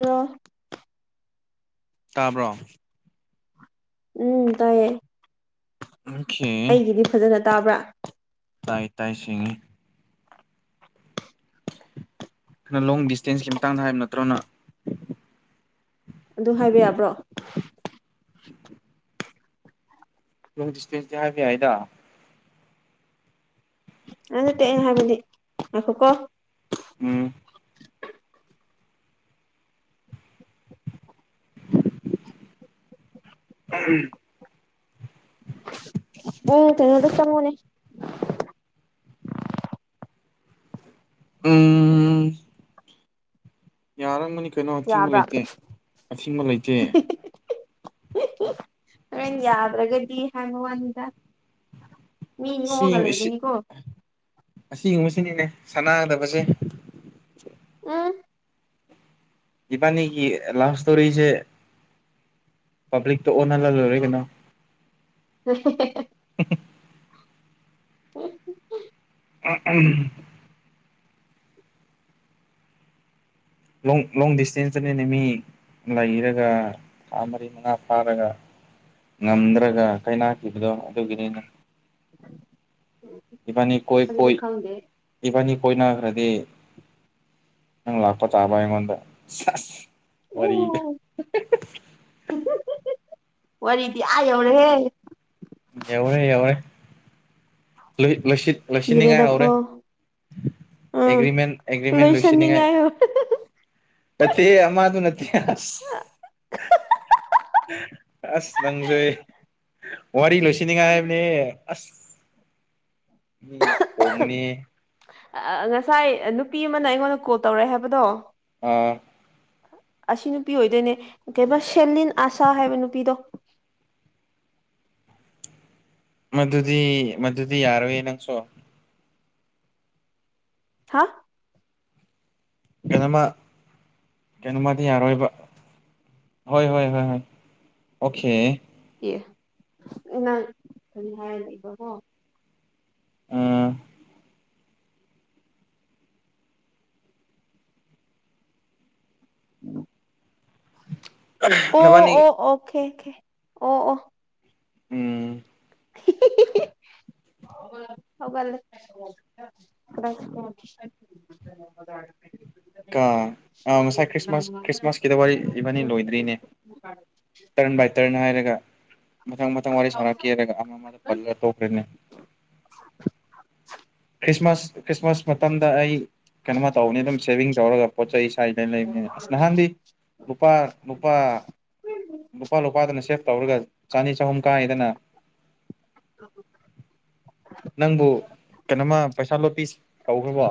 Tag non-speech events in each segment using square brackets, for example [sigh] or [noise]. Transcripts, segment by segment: Hello ꯇꯥꯕ꯭ꯔꯣ ꯎꯝ ꯇꯥꯏꯌꯦ ꯑꯣꯈꯦ꯫ ꯑꯩꯒꯤꯗꯤ ꯐꯖꯅ ꯇꯥꯕ꯭ꯔꯥ ꯇꯥꯏ ꯇꯥꯏ ꯁꯦꯡꯉꯤ ꯑꯩꯈꯣꯏꯅ ꯂꯣꯡ ꯗꯤꯁꯇꯦꯟꯁꯀꯤ ꯃꯇꯥꯡꯗ ꯍꯥꯏꯕ ꯅꯠꯇ꯭ꯔꯣꯅ ꯑꯗꯨ ꯍꯥꯏꯕ ꯌꯥꯕ꯭ꯔꯣ ꯅ ꯗꯤꯁꯇ꯭ꯔꯤ ꯍꯥꯏꯕ ꯌꯥꯏꯗ ꯑꯗꯨꯇ ꯍꯥꯏꯕꯗꯤ ꯉꯏꯈꯣ ꯀꯣ ꯎꯝ ꯎꯝ ꯎꯝ ꯀꯩꯅꯣꯗ ꯆꯪꯉꯒꯣꯅꯦ ꯎꯝ ꯌꯥꯔꯝꯒꯅꯤ ꯀꯩꯅꯣ ꯑꯊꯤꯡꯕ ꯌꯥꯕ꯭ꯔꯥ ꯂꯩꯇꯦ ꯑꯊꯤꯡꯕ ꯂꯩꯇꯦ ꯌꯥꯗ꯭ꯔꯒꯗꯤ ꯍꯥꯏꯕꯥ ꯋꯥꯅꯤꯗ ꯃꯤ ꯁꯤ ꯅꯣꯛꯑꯒ ꯂꯩꯒꯅꯤꯀꯣ ꯑꯁꯤꯒꯨꯝꯕꯁꯤ ꯁꯤꯅꯤꯅꯦ ꯁꯥꯟꯅꯥꯗꯕꯁꯦ ꯎꯝ ꯏꯕꯥꯅꯤꯒꯤ ꯂꯥꯖ ꯏꯁꯇꯣꯔꯤꯁꯦ ꯄꯕꯂꯤꯛꯛꯇ ꯑꯣꯅꯥꯔꯥ ꯂꯣꯏꯔꯦ ꯀꯩꯅꯣ ꯁꯨ ꯁꯨ ꯍ ꯑ ꯎꯝ ꯂꯣꯡ ꯂꯣꯡ ꯗꯤꯁꯇꯦꯟꯁꯇ ꯅꯃꯤ ꯏ ꯏꯔꯒ ꯁꯥꯥꯃꯔꯤꯉ ꯐꯥꯔꯒ ꯉꯝꯗ꯭ꯔꯒ ꯀꯩꯅꯥꯈꯤꯕꯗꯣ ꯑꯗꯨꯒꯤꯅꯤꯅꯦ [inaudible] ꯏꯕꯥꯅꯤ ꯀꯣꯏ ꯑꯗꯨꯗꯤ ꯀꯣꯏ ꯈꯪꯗꯦ ꯏꯕꯥꯅꯤ ꯑꯩꯈꯣꯏ ꯅꯥꯈ꯭ꯔꯗꯤ ꯅꯪ ꯂꯥꯛꯄ ꯆꯥꯕ ꯑꯩꯉꯣꯟꯗ ꯎ ꯋꯥꯔꯤ ꯋꯥꯔꯤꯔꯤꯗꯤ ꯑ ꯌꯔꯦ ꯌꯧꯔꯦ ꯌꯧꯔꯦ ꯂꯣꯏꯁꯤꯟꯅꯤꯉꯥꯏ ꯀꯤꯔꯦꯗꯀꯣ ꯌꯥꯔꯦ ꯎꯝ ꯑꯦꯒ꯭ꯔꯤꯦꯟ ꯑꯦꯒ꯭ꯔꯤꯃꯦꯟ ꯂꯣꯏꯁꯤꯅꯤꯡꯉꯥꯏ ꯂꯣꯏꯁꯟꯅꯤꯡꯉꯥꯏ ꯀꯆ ꯑꯃꯗꯨ ꯑ ꯑꯁ ꯅꯪꯖ ꯋꯥꯔꯤ ꯂꯣꯏꯁꯤꯅꯤꯉꯥꯏ ꯍꯥꯏꯕꯅꯦ ꯑꯁ ꯎꯝ ꯄꯒꯃꯅꯤꯦ ꯉꯁꯥꯏ ꯅꯨꯄꯤ ꯑꯃꯅ ꯑꯩꯉꯣꯟꯗ ꯀꯣꯜ ꯇꯧꯔꯛꯑꯦ ꯍꯥꯏꯕꯗꯣ ꯑꯣ ꯑꯁꯤ ꯅꯨꯄꯤ ꯑꯣꯏꯗꯣꯏꯅꯦ ꯀꯩꯩꯅꯣ ꯁꯦꯂꯤꯟ ꯑꯁꯥ ꯍꯥꯏꯕ ꯅꯨꯄꯤꯗꯣ [inaudible] ꯃꯗꯨꯗꯤ ꯃꯗꯨꯗꯤ ꯌꯥꯔꯣꯏ ꯅꯪꯁꯨ ꯍꯥ ꯀꯩꯅꯣꯃ ꯀꯩꯅꯣꯃꯗꯤ ꯌꯥꯔꯣꯏꯕ ꯍꯣꯏ ꯍꯣꯏ ꯍꯣꯏ ꯍ ꯑꯣꯀꯦ ꯑꯦ ꯅ ꯅꯪ ꯀ ꯍꯥꯏꯔ ꯏꯕꯀꯣ ꯑꯥ ꯑꯣ ꯅꯕꯥꯅꯤ ꯑꯣ ꯑꯣꯦ ꯊ ꯍꯦ ꯑꯣ ꯑꯣ ꯎꯝ [inaudible] [inaudible] ꯄꯤ ꯀ ꯑꯥ ꯉꯁꯥꯏ ꯈ꯭ꯔꯤꯁꯃꯥꯁ ꯈ꯭ꯔꯤꯁꯃꯥꯁꯀꯤꯗ ꯋꯥꯔꯤ ꯏꯕꯥꯅꯤ ꯂꯣꯏꯗ꯭ꯔꯤꯅꯦ ꯇꯔꯟ ꯕꯥꯏꯇꯔꯟ ꯍꯥꯏꯔꯒ ꯃꯊꯪ ꯃꯊꯪ ꯋꯥꯔꯤ ꯁꯥꯔꯛꯀꯦꯔꯒ ꯑꯃ ꯑꯃꯗ ꯄꯜꯂ ꯊꯣꯛꯈꯔꯦꯅꯦ ꯈ꯭ꯁꯃꯁ ꯈ꯭ꯔꯤꯁꯃꯥꯁ ꯃꯇꯝꯗ ꯑꯩ ꯀꯩꯅꯣꯃ ꯇꯧꯕꯅꯤ ꯑꯗꯨꯝ ꯁꯦꯚꯤꯡ ꯇꯧꯔꯒ ꯄꯣꯠꯆ ꯏꯁꯥ ꯏꯅ ꯂꯩꯩ ꯑꯁ ꯅꯍꯥꯟꯗꯤ ꯅꯨꯄꯥ ꯅꯨꯄꯥ ꯂꯨꯄꯥ ꯂꯨꯄꯥꯗꯅ ꯁꯦꯐ ꯇꯧꯔꯒ ꯆꯅꯤ ꯆꯍꯨꯝ ꯀꯥꯏꯗꯅ ꯑ ꯅꯪꯕꯨ ꯀꯩꯅꯣꯃ ꯄꯩꯁꯥ ꯂꯇꯁꯤ ꯇꯧꯈ꯭ꯔꯕꯣ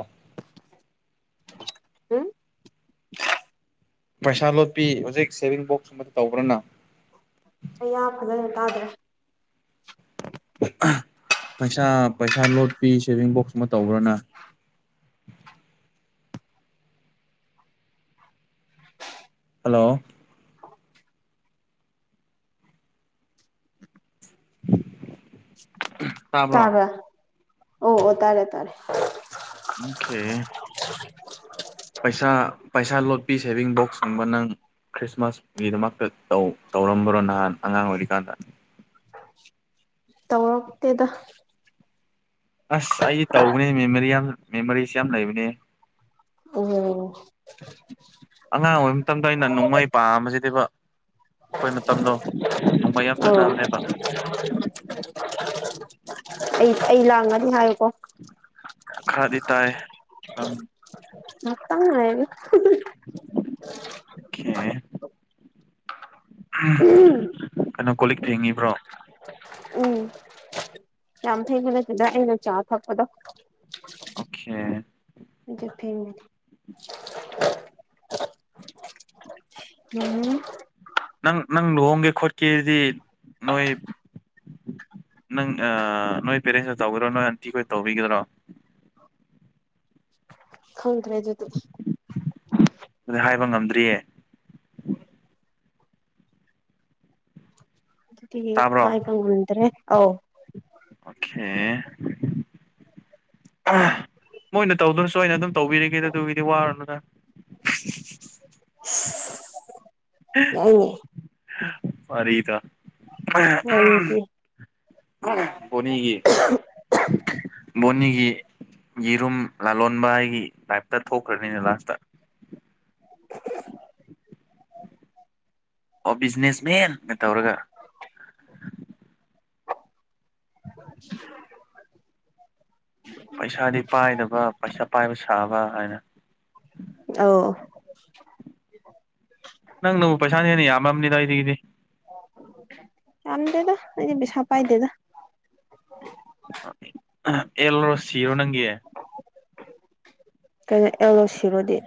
ꯎꯝ ꯄꯩꯁꯥ ꯂꯣꯠꯄꯤ ꯍꯧꯖꯤꯛ ꯁꯦꯚꯤꯡ ꯕꯣꯛꯁꯀꯨꯝꯕꯗ ꯇꯧꯕ꯭ꯔꯥꯅ ꯑꯩꯌꯥ ꯐꯖꯅ ꯇꯥꯗ꯭ꯔꯥ ꯄꯩꯁꯥ ꯄꯩꯁꯥ ꯂꯣꯠ ꯄꯤ ꯁꯦꯚꯤꯡ ꯕꯣꯛꯁ ꯑꯃ ꯇꯧꯕ꯭ꯔꯥꯅ [inaudible] ꯍꯂꯣ ꯇꯥꯕ꯭ꯔꯣ ꯇꯥꯕ ꯑꯣ ꯑꯣ ꯇꯥꯔꯦ ꯇꯥꯔꯦ ꯑꯣꯀꯦ [inaudible] ꯄꯩꯁꯥ ꯄꯩꯁꯥ ꯂꯣꯠꯄꯤ ꯁꯦꯚꯤꯡ ꯕꯣꯛꯁꯀꯨꯝꯕ ꯅꯪ ꯈ꯭ꯔꯤꯁꯃꯥꯁꯀꯤꯗꯃꯛꯇ ꯇꯧꯔꯝꯕ꯭ꯔꯣ ꯅꯍꯥꯟ ꯑꯉꯥꯡ ꯑꯣꯏꯔꯤꯀꯥꯟꯗ ꯇꯧꯇꯦꯗ ꯑꯁ ꯑꯩꯗꯤ ꯇꯧꯕꯅꯦ ꯃꯦꯃꯣꯔꯤ ꯌꯥꯝ ꯃꯦꯃꯣꯔꯤꯁꯤ ꯌꯥꯝ ꯂꯩꯕꯅꯦ ꯑꯣ ꯑꯉꯥꯡ ꯑꯣꯏꯕ ꯃꯇꯝꯗ ꯑꯩꯅ ꯅꯣꯡꯃꯩ ꯄꯥꯝꯃꯁꯤꯗꯤꯕ ꯑꯣ ꯆꯠꯅꯕꯅꯦꯕ ꯑꯩ ꯑꯩ ꯂꯥꯡꯉꯅꯤ ꯍꯥꯏꯌꯨꯀꯣ ꯈꯔꯗꯤ ꯇꯥꯏ ꯑꯪ ꯃꯠꯇ ꯍꯦ ꯀꯩꯅꯣ ꯀꯣ ꯂꯤꯛ ꯊꯦꯡꯉꯤꯕ꯭ꯔꯣ ꯎꯝ ꯌꯥꯝ ꯐꯩꯅ ꯅꯠꯇꯗ ꯑꯩꯅ ꯆꯥ ꯊꯛꯄꯗꯣ ꯑꯣꯀꯦ ꯊꯝ ꯎꯝ ꯅꯪ ꯅꯪ ꯂꯨꯍꯣꯡꯒꯦ ꯈꯣꯠꯀꯦꯗꯤ ꯅꯣꯏ ꯅꯪ ꯅꯣꯏ ꯄꯦꯔꯦꯟꯁꯇ ꯇꯧꯕꯤꯔꯣ ꯅꯣꯏ ꯑꯟꯇꯤꯈꯣꯏ ꯇꯧꯕꯤꯒꯗ꯭ꯔꯣ ꯈꯪꯗ꯭ꯔꯦ ꯑꯗꯨ ꯑꯗꯨ ꯑꯗꯨꯗꯤ ꯍꯥꯏꯕ ꯉꯝꯗ꯭ꯔꯤꯌꯦ ꯑꯗꯨꯗꯤ ꯇꯥꯕ꯭ꯔꯣ ꯍꯥꯏ ꯐꯉꯗ꯭ꯔꯦ ꯑ ꯑꯣꯀꯦ ꯃꯣꯏꯅ ꯇꯧꯗꯨꯅꯁꯨ ꯑꯩꯅ ꯑꯗꯨꯝ ꯇꯧꯕꯤꯔꯤꯉꯦꯗ ꯑꯗꯨꯒꯤꯗꯤ ꯋꯥꯔꯅꯨꯗ [unintelligible] ꯌꯥꯏꯅꯦꯦ ꯐꯔꯤꯗ ꯋꯥꯔꯤꯗꯤ ꯅꯤꯒ ꯅꯤꯒ ꯑꯩ ꯌꯦꯔꯨꯝ ꯂꯥꯂꯣꯟꯕ ꯑꯩꯒꯤ ꯂꯥꯏꯞꯇ ꯊꯣꯛꯈ꯭ꯔꯅꯤꯅ ꯂꯥꯁꯇ ꯑꯣ ꯕꯤꯖꯤꯅꯦꯁꯃꯦꯟꯒ ꯇꯧꯔꯒ [unintelligible] ꯄꯩꯁꯥꯗꯤ ꯄꯥꯏꯗꯕ ꯄꯩꯁꯥ ꯄꯥꯏꯕ ꯁꯥꯕ ꯍꯥꯏꯅ ꯑꯣ ꯅꯪ ꯅꯕꯨ ꯄꯩꯁꯥꯅ ꯍꯦꯟꯅ ꯌꯥꯝꯃꯝꯅꯤ ꯑꯗꯨꯋꯥꯏꯗꯒꯤꯗꯤ ꯌꯥꯝꯗꯗꯣ ꯑꯗꯨ ꯍꯥꯄꯥꯏꯗꯗ ꯑꯦꯂꯔꯣ ꯁꯤꯔꯣ ꯅꯪꯒꯤ ꯀꯥꯏꯅ ꯑꯦꯂ ꯁꯤꯔꯣꯗꯤ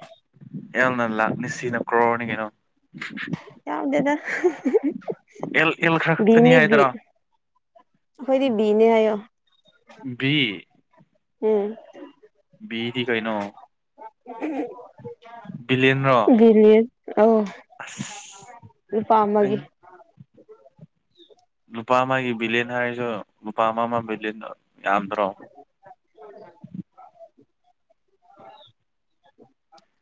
ꯑꯦ ꯅ ꯂꯥꯛꯅꯤ ꯁꯤꯅ ꯀ꯭ꯔꯣꯔꯅꯤ ꯀꯩꯅꯣ ꯌꯥꯎꯗꯗ ꯑꯦꯜ ꯑꯦꯜ ꯈꯔ ꯈꯛꯇꯅꯤ ꯅꯤꯕꯤ ꯍꯥꯏꯗ꯭ꯔꯣ ꯑꯩꯈꯣꯏꯗꯤ ꯕꯤꯅꯦ ꯍꯥꯏꯌꯣ ꯕꯤ ꯎꯝ ꯕꯤꯗꯤ ꯀꯩꯅꯣ ꯎꯝ ꯕꯤꯂꯦꯟꯗ꯭ꯔ ꯑ ꯅꯨꯄꯥ ꯅꯪ ꯑꯃꯒꯤ ꯂꯨꯄꯥ ꯑꯃꯒꯤ ꯕꯤꯂꯤꯌꯟ ꯍꯥꯏꯔꯁꯨ ꯅꯨꯄꯥ ꯑꯃ ꯑꯃ ꯕꯤꯂꯤꯌꯟ ꯌꯥꯝꯗ꯭ꯔꯣ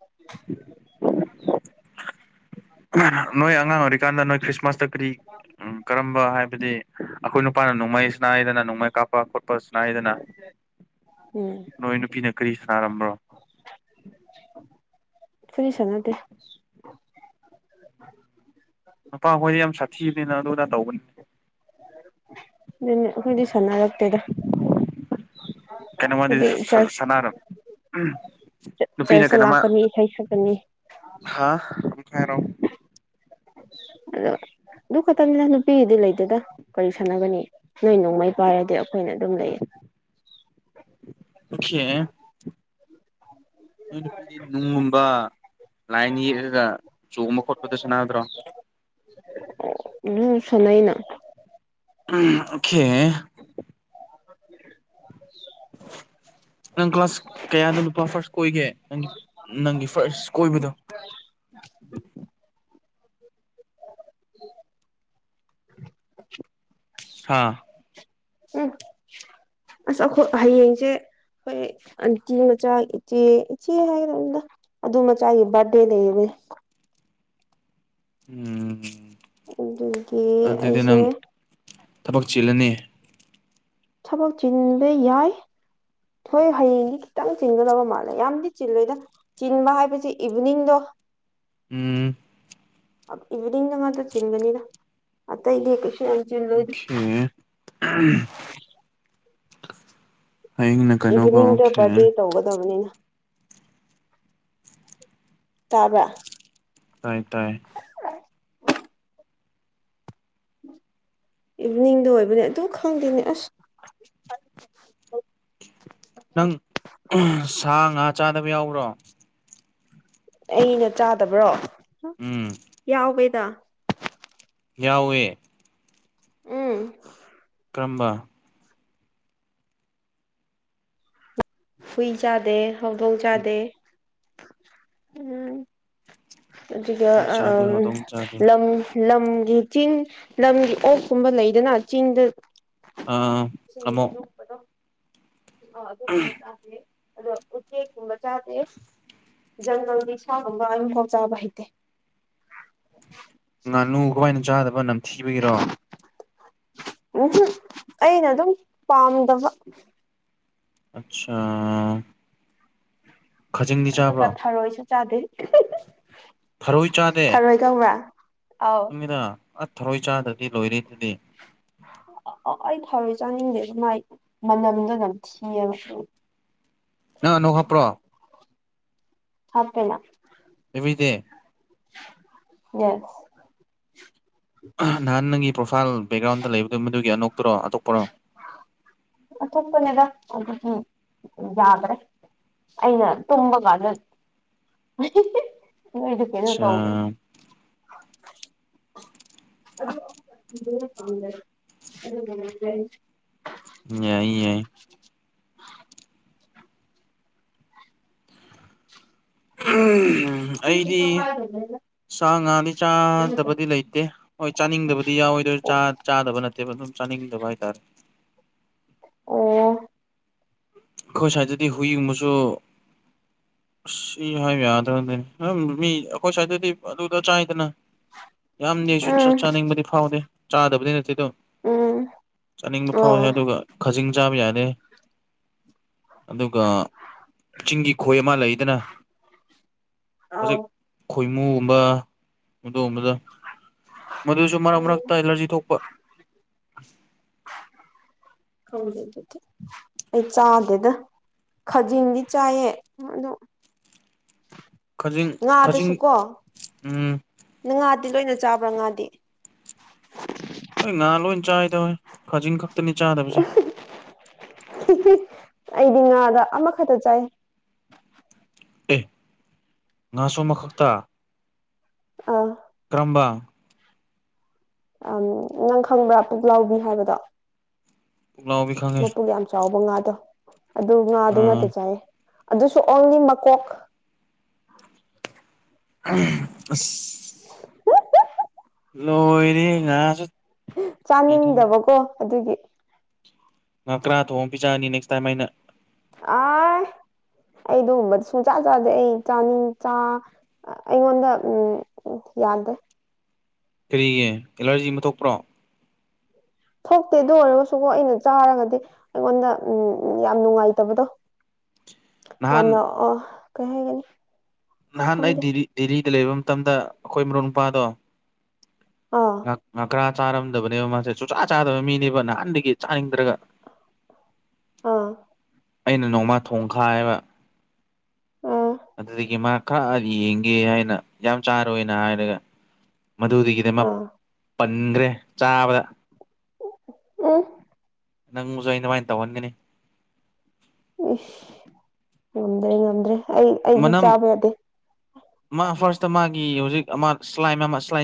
[unintelligible] ꯅꯣꯏ ꯑꯉꯥꯡ ꯑꯣꯏꯔꯤꯀꯥꯟꯗ ꯅꯣꯏ ꯈ꯭ꯔꯤꯁꯃꯥꯁꯇ ꯀꯔꯤ ꯎꯝ ꯀꯔꯝꯕ ꯍꯥꯏꯕꯗꯤ ꯑꯩꯈꯣꯏ ꯅꯨꯄꯥꯅ ꯅꯣꯡꯃꯩ ꯁꯅꯥꯏꯗꯅ ꯅꯣꯡꯃꯩ ꯀꯥꯞ ꯆꯣꯠꯄ ꯈꯣꯠꯄꯁꯨꯅꯥꯏꯗꯅ ꯎꯝ ꯅꯣꯏ ꯅꯨꯄꯤꯅ ꯀꯔꯤ ꯁꯥꯟꯔꯝꯕ꯭ꯔꯣ ꯐꯨꯔꯤꯁꯅꯗꯦ꯫ ꯅꯨꯄꯥꯈꯣꯏꯗꯤ ꯌꯥꯝ ꯁꯥꯊꯤꯕꯅꯤꯅ ꯑꯗꯨꯗꯥ ꯇꯧꯕꯅꯤ꯫ ꯑꯩꯈꯣꯏꯗꯤ ꯁꯅꯔꯛꯇꯦꯗ꯫ ꯀꯩꯅꯣꯃꯗꯤ ꯁꯅꯥꯔꯝ꯫ ꯅꯨꯄꯤꯅ ꯆꯔꯆꯇ ꯀꯩꯅꯣꯃ ꯂꯥꯛꯀꯅꯤ ꯏꯁꯩ ꯁꯛꯀꯅꯤ ꯍꯥ [unintelligible] [unintelligible] ꯑꯗꯨ ꯈꯛꯇꯪꯅꯤꯅ ꯅꯨꯄꯤꯒꯤꯗꯤ ꯂꯩꯇꯦꯗ ꯀꯔꯤ ꯁꯥꯟꯅꯒꯅꯤ ꯅꯣꯏ ꯅꯣꯡꯃꯩ ꯄꯥꯏꯔꯗꯤ ꯑꯩꯈꯣꯏꯅ ꯑꯗꯨꯝ ꯂꯩꯌꯦ꯫ [inaudible] [unintelligible] ꯑꯣꯈꯤꯌꯦ꯫ ꯅꯣꯏ ꯅꯨꯄꯤꯗꯤ ꯅꯨꯡꯒꯨꯝꯕ ꯂꯥꯏꯟ ꯌꯦꯛꯑꯒ ꯆꯣꯡꯕ ꯈꯣꯠꯄꯗꯣ ꯁꯅꯥꯒꯗ꯭ꯔꯣ꯫ ꯅꯨꯡ ꯁꯥꯅꯩꯅ꯫ ꯑꯣꯈꯦ꯫ [unintelligible] ꯅꯪ ꯀ꯭ꯂꯥꯁ ꯀꯌꯥꯗ ꯅꯨꯄꯥ ꯐꯥꯔꯁ ꯀꯣꯏꯒꯦ ꯅꯪ ꯅꯪꯒꯤ ꯐꯥꯔꯁ ꯀꯣꯏꯕꯗꯣ꯫ [unintelligible] [unintelligible] ꯍꯥ꯫ ꯎꯝ ꯑꯁ ꯑꯩꯈꯣꯏ ꯍꯌꯦꯡꯁꯦ ꯍꯣꯏ ꯑꯟꯇꯤ ꯃꯆꯥ ꯏꯆꯦ ꯏꯆꯦ ꯍꯥꯏꯈ꯭ꯔꯅꯤꯗ ꯑꯗꯨ ꯃꯆꯥꯒꯤ ꯕꯥꯔꯗꯦ ꯂꯩꯌꯦꯕ꯫ [unintelligible] ꯎꯝ꯫ ꯑꯗꯨꯒꯤ ꯑꯗꯨꯗꯤ ꯑꯩꯁꯦ꯫ ꯅꯪ ꯊꯕꯛ ꯆꯦꯜꯂꯅꯤ꯫ ꯊꯥꯕꯛ ꯆꯤꯟꯕ ꯌꯥꯏ꯫ ꯍꯣꯏ ꯍꯌꯦꯡꯗꯤ ꯈꯤꯇꯪ ꯆꯤꯟꯒꯗꯕ ꯃꯥꯜꯂꯦ ꯌꯥꯝꯗꯤ ꯆꯤꯜꯂꯣꯏꯗ ꯆꯤꯟꯕ ꯍꯥꯏꯕꯁꯤ ꯏꯚꯤꯅꯤꯡꯗꯣ꯫ [inaudible] ꯎꯝ꯫ ꯏꯚꯤꯅꯤꯡꯗ ꯉꯥꯛꯇ ꯆꯤꯟꯒꯅꯤꯅ ꯑꯇꯩꯗꯤ ꯀꯩꯁꯨ ꯌꯥꯝ ꯆꯤꯜꯂꯣꯏꯗ ꯑꯣꯈꯦ꯫ ꯍꯌꯦꯡꯅ ꯀꯩꯅꯣꯀꯣ ꯏꯚꯤꯅꯤꯡꯗ ꯑꯣꯈꯦ꯫ ꯕꯥꯔꯗꯦ ꯇꯧꯒꯗꯕꯅꯤꯅ ꯇꯥꯕ꯭ꯔꯥ꯫ ꯇꯥꯏꯌꯦ ꯇꯥꯏꯌꯦ꯫ [inaudible] ꯏꯚꯤꯅꯤꯡꯗ ꯑꯣꯏꯕꯅꯦ ꯑꯗꯨ ꯈꯪꯗꯦꯅꯦ ꯑꯁ꯫ ꯅꯪ ꯁꯥ ꯉꯥ ꯆꯥꯗꯕ ꯌꯥꯎꯕ꯭ꯔꯣ꯫ ꯑꯩꯅ ꯆꯥꯗꯕ꯭ꯔꯣ ꯎꯝ ꯌꯥꯎꯋꯦꯗ꯫ ꯌꯥꯎꯋꯦ꯫ ꯎꯝ꯫ ꯀꯔꯝꯕ꯫ ꯍꯨꯏ ꯆꯥꯗꯦ ꯍꯧꯗꯣꯡ ꯆꯥꯗꯦ ꯎꯝ꯫ ꯑꯗꯨꯒ ꯍꯨꯏ ꯆꯥꯗꯦ ꯑꯝ ꯍꯧꯗꯣꯡ ꯆꯥꯗꯦ ꯂꯝ ꯂꯝꯒꯤ ꯆꯤꯡ ꯂꯝꯒꯤ ꯑꯣꯛꯀꯨꯝꯕ ꯂꯩꯗꯅ ꯆꯤꯡꯗꯅ ꯆꯤꯡꯗ ꯑꯥ ꯆꯤꯡꯗ ꯑꯃꯨꯛ ꯌꯣꯛꯄꯗꯣ꯫ ꯑꯥ ꯑꯗꯨꯒꯨꯝꯕ ꯆꯥꯗꯦ ꯑꯗꯨꯒ ꯎꯆꯦꯛꯀꯨꯝꯕ ꯆꯥꯗꯦ ꯖꯪꯒꯜꯒꯤ ꯁꯥꯒꯨꯕ ꯑꯗꯨꯝꯐꯥꯎ ꯆꯥꯕ ꯍꯩꯇꯦ꯫ ꯉꯥꯅꯨ ꯀꯃꯥꯏꯅ ꯆꯥꯗꯕ ꯅꯝꯊꯤꯕꯒꯤꯔꯣ꯫ ꯎꯝ ꯑꯩꯅ ꯑꯗꯨꯝ ꯄꯥꯝꯗꯕ꯫ ꯑꯠꯁꯥ꯫ ꯈꯥꯖꯤꯡꯗꯤ ꯑꯗꯨꯒ ꯆꯥꯕ꯭ꯔꯣ ꯊꯥꯔꯣꯏꯁꯨ ꯆꯥꯗꯦ꯫ ꯐꯔꯣꯏꯏ ꯆꯥꯗꯦ ꯊꯔꯣꯏ ꯈꯪꯕ꯭ꯔꯥ ꯑꯥꯎ ꯈꯪꯃꯤꯗ ꯑ ꯊꯔꯣꯏ ꯆꯥꯗ꯭ꯔꯗꯤ ꯂꯣꯏꯔꯦ ꯑꯗꯨꯗꯤ ꯑ ꯑ ꯑꯩ ꯊꯥꯎꯔꯣꯏ ꯆꯥꯅꯤꯡꯗꯦ ꯑꯗꯨ ꯃꯥꯏ ꯃꯅꯝꯗꯨ ꯑꯗꯨꯝ ꯊꯤꯌꯦꯕ ꯑꯪ ꯅꯣꯡ ꯍꯥꯞꯄ꯭ꯔꯣ ꯍꯥꯄꯦꯅ ꯑꯦꯃꯤꯗꯤ ꯌꯦꯁ ꯅꯍꯥꯟ ꯅꯪꯒꯤ ꯄ꯭ꯔꯣꯐꯥꯏꯜ ꯕꯦꯛꯒ꯭ꯔꯥꯎꯟꯗ ꯂꯩꯕꯗꯨ ꯃꯗꯨꯒꯤ ꯑꯅ ꯄꯨ꯭ꯔꯣ ꯑꯇꯣꯞꯄꯅꯣ ꯑꯇꯣꯞꯄꯅꯦꯗ ꯑꯗꯨꯗꯤ ꯌꯥꯗ꯭ꯔꯦ ꯑꯩꯅ ꯇꯨꯝꯕ ꯀꯥꯟꯗ ꯗꯨ ꯀꯅ ꯀꯥꯎꯗꯦ ꯑꯆꯥ ꯐꯗ ꯑꯗꯨ ꯌꯥꯏ ꯌꯥꯏ ꯍꯩꯠ [inaudible] ꯎꯝ ꯍ ꯀꯥꯏꯗꯗ ꯁꯥ ꯉꯥꯗꯤ ꯆꯥꯗꯕꯗꯤ ꯂꯩꯇꯦ ꯍꯣꯏ ꯆꯥꯅꯤꯡꯗꯕꯗꯤ ꯌꯥꯎꯋꯤꯗ ꯆꯥꯗꯕ ꯅꯠꯇꯦꯕ ꯑꯗꯨꯝ ꯆꯅꯤꯡꯗ ꯥꯏꯇꯔ ꯑꯣ ꯑꯩꯈꯣꯏ ꯁ꯭ꯋꯥꯏꯗꯗꯤ ꯍꯨꯏꯡꯕꯁꯨ ꯁꯤ ꯍꯥꯏꯕ ꯌꯥꯗ꯭ꯔꯗꯤꯅꯦꯝ ꯃꯤ ꯑꯩꯈꯣꯏ ꯁ꯭ꯋꯥꯏꯗꯗꯤ ꯑꯗꯨꯗ ꯆꯥꯏꯗꯅ ꯌꯥꯝ ꯅ ꯑꯩꯁꯨ ꯎꯝ ꯆꯥꯅꯤꯡꯕꯗꯤ ꯐꯥꯎꯗꯦ ꯆꯥꯗꯕꯗꯤ ꯅꯠꯇꯦꯗꯣ ꯎꯝ ꯆꯥꯅꯤꯡꯕ ꯐꯥꯎꯅꯤ ꯑꯣ ꯑꯗꯨꯒ ꯈꯥꯖꯤꯡ ꯆꯥꯕ ꯌꯥꯗꯦ ꯑꯗꯨꯒ ꯆꯤꯡꯒꯤ ꯈꯣꯏ ꯑꯃ ꯂꯩꯗꯅ ꯑꯥꯎ ꯍꯧꯖꯤꯛ ꯈꯣꯏꯃꯨꯒꯨꯝꯕ ꯃꯗꯒꯨꯝꯕꯗ ꯃꯗꯨꯁꯨ ꯃꯔꯛ ꯎꯝ ꯃꯔꯛꯇ ꯑꯦꯂꯔꯖꯤ ꯊꯣꯛꯄ ꯍ ꯑꯩ ꯆꯥꯗꯦꯗ ꯈꯖꯤꯡꯗꯤ ꯆꯥꯏꯌꯦ ꯑꯗꯣ ꯈꯥꯖꯤꯡ ꯈꯥꯖꯤꯡ ꯉꯥꯗꯁꯨ ꯀꯣ ꯎꯝ ꯉꯥ ꯂꯣꯏꯅ ꯆꯥꯕ꯭ꯔꯥ ꯉꯥꯗꯤ ꯑꯩ ꯉꯥ ꯂꯣꯏ ꯆꯥꯏ ꯇꯧꯋꯦ ꯈꯥꯖꯤꯡ ꯈꯛꯇꯅꯤ ꯆꯥꯗꯕꯁꯦ ꯑꯩꯗꯤ ꯉꯥꯗ ꯑꯃꯈꯛꯇ ꯆꯥꯏ ꯑꯦ ꯉꯥꯥꯁ ꯑꯃꯈꯛꯇ ꯑꯥ ꯀꯔꯝꯕ ꯅꯪ ꯈꯪꯕ꯭ꯔꯥ ꯄꯨꯛ ꯂꯥꯎꯕꯤ ꯍꯥꯏꯕꯗꯣ ꯄꯨꯛꯂꯥꯎꯕꯤ ꯈꯪꯉꯦ ꯃꯄꯨꯒ ꯌꯥꯝ ꯆꯥꯎꯕ ꯉꯥꯗꯣ ꯑꯗꯨ ꯉꯥꯗꯨ ꯑꯥ ꯉꯥꯛꯇ ꯆꯥꯏꯌꯦ ꯑꯗꯨꯁꯨ ꯑꯣꯜꯅꯤ ꯃꯀꯣꯛ ꯑꯁ ꯂꯣꯏꯔꯤ ꯉ ꯊ ꯆꯥꯅꯤꯡꯗꯕꯀꯣ ꯑꯗꯨꯒꯤ ꯉꯍꯥꯛ ꯀꯔꯥ ꯊꯣꯡꯑ ꯄꯤꯖꯛꯑꯅꯤ ꯅꯦꯛꯁ ꯇꯥꯏꯝ ꯑꯩꯅ ꯑꯥ ꯑꯩ ꯑꯗꯨꯒꯨꯝꯕꯗ ꯁꯨꯡꯆꯥꯥ ꯆꯥꯗꯦ ꯑꯩ ꯆꯥꯅꯤꯡ ꯑꯩꯉꯣꯟꯗ ꯎꯝ ꯌꯥꯗꯦ ꯀꯔꯤꯒꯤ ꯑꯦꯂꯔꯖꯤ ꯑꯃ ꯊꯣꯛꯄ꯭ꯔꯣ ꯊꯣꯛꯇꯦ ꯑꯗꯨ ꯑꯣꯏꯔꯒꯁꯨꯀꯣ ꯑꯩꯅ ꯆꯥꯔꯒꯗꯤ ꯑꯩꯉꯣꯟꯗ ꯎꯝ ꯌꯥꯝ ꯅꯨꯡꯉꯥꯏꯇꯕꯗꯣ ꯁꯤꯠ [inaudible] ꯌꯥꯝꯅ ꯀꯩ ꯍꯥꯏꯒꯅꯤ ꯅꯍꯥꯟ ꯑꯩ ꯈꯪꯗꯦ ꯗꯦꯜꯂꯤꯗ ꯂꯩꯕ ꯃꯇꯝꯗ ꯑꯩꯈꯣꯏ ꯃꯔꯨꯞ ꯅꯨꯄꯥꯗꯣ ꯑꯥ ꯃꯀꯥ ꯆꯥꯔꯝꯗꯕꯅꯦꯕ ꯃꯥꯁꯦ ꯆꯨꯆꯥ ꯆꯥꯗꯕ ꯃꯤꯅꯦꯕ ꯅꯍꯥꯟꯗꯒꯤ ꯆꯥꯅꯤꯡꯗ꯭ꯔꯒ꯫ ꯑꯥ꯫ ꯑꯩꯅ ꯅꯣꯡꯃꯥ ꯊꯣꯡꯈꯥꯏꯕ꯫ ꯑꯥ ꯑꯗꯨꯗꯒꯤ ꯃꯥ ꯈꯔꯑ ꯌꯦꯡꯒꯦ ꯍꯥꯏꯅ ꯌꯥꯝ ꯆꯥꯔꯣꯏꯅ ꯍꯥꯏꯔꯒ꯫ ꯃꯗꯨꯗꯒꯤꯅ‌ꯦ ꯃꯥ ꯑꯥ ꯄꯟꯒ꯭ꯔꯦ ꯆꯥꯕꯗ꯫ ꯑꯦ꯫ ꯅꯪꯕꯨꯁꯨ ꯑꯩꯅ ꯑꯃꯥꯏꯅ ꯇꯧꯍꯟꯒꯅꯤ꯫ ꯏꯁ ꯉꯝꯗ꯭ꯔꯦ ꯉꯝꯗ꯭ꯔꯦ ꯑꯩ ꯑꯩꯗꯤ ꯃꯅꯝ ꯆꯥꯕ ꯌꯥꯗꯦ꯫ ꯃꯥ ꯐꯥꯔꯁꯇ ꯃꯥꯒꯤ ꯍꯧꯖꯤꯛ ꯑꯃ ꯁ꯭ꯂꯥꯝ ꯁ꯭ꯂꯥꯝ꯫